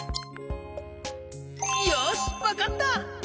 よしわかった！